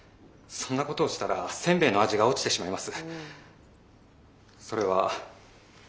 そんなことをしたらせんべいの味が落ちてしまいます。